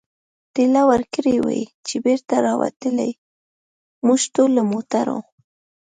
ټېله ورکړې وای، چې بېرته را وتلای، موږ ټول له موټرو.